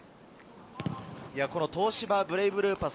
東芝ブレイブルーパス